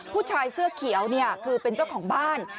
ผู้ชายเสื้อเขียวคือเป็นเจ้าของบ้าน